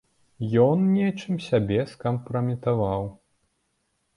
Ён нечым сябе скампраметаваў.